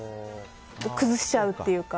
崩しちゃうっていうか。